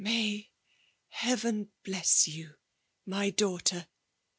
"May Heaven bless you, my daughter!"